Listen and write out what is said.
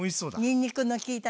にんにくの利いたね。